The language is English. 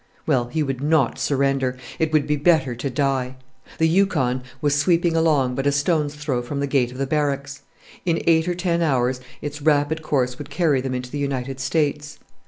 Well, he would not surrender; it would be better to die. The Yukon was sweeping along but a stone's throw from the gate of the Barracks; in eight or ten hours its rapid course would carry them into the United States.